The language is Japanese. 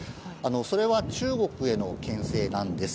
それは中国への牽制なんです。